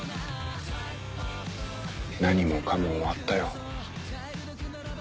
何もかも終わったよ。